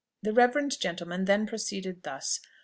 The reverend gentleman then proceeded thus.